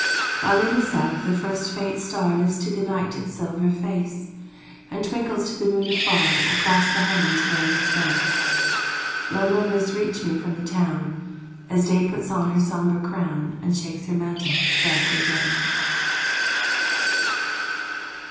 While in the south the first faint star Lifts to the night its silver face, And twinkles to the moon afar Across the heaven's graying space, Low murmurs reach me from the town, As Day puts on her sombre crown, And shakes her mantle darkly down.